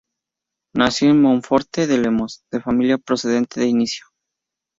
Nació en Monforte de Lemos, de familia procedente de Incio.